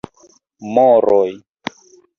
Moroj: